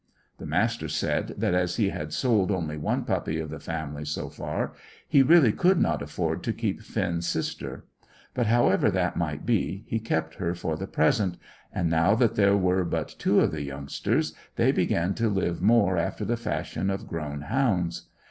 The Master said that as he had sold only one puppy of the family so far, he really could not afford to keep Finn's sister; but, however that might be, he kept her for the present, and now that there were but two of the youngsters, they began to live more after the fashion of grown hounds.